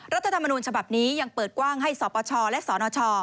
รัฐธรรมนูญฉบับนี้ยังเปิดกว้างให้สปชและสนช